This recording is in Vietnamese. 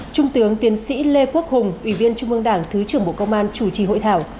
trung tướng tiến sĩ lê quốc hùng ủy viên trung ương đảng thứ trưởng bộ công an chủ trì hội thảo